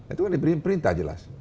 itu kan diberi perintah jelas